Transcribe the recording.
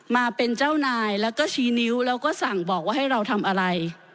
มาเป็นเจ้านายแล้วก็ชี้นิ้วแล้วก็สั่งบอกว่าให้เราทำอะไร